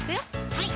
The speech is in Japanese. はい